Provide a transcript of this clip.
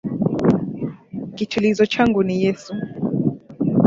Kitulizo changu ni Yesu.